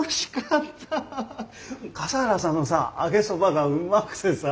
笠原さんのさ揚げそばがうまくてさ。